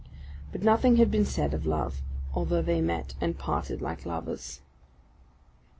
But nothing had been said of love, although they met and parted like lovers.